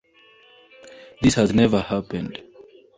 This has never happened.